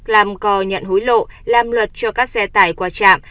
làm cò nhận hối lộ làm luật cho các xe tải qua trạm